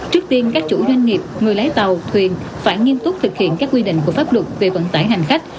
trước tiên các chủ doanh nghiệp người lái tàu thuyền phải nghiêm túc thực hiện các quy định của pháp luật về vận tải hành khách